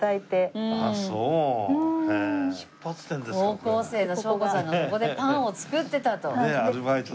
高校生の翔子ちゃんがここでパンを作ってたと。